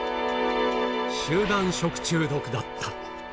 集団食中毒だった。